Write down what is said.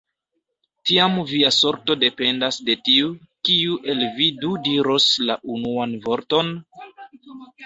Tiam via sorto dependas de tiu, kiu el vi du diros la unuan vorton?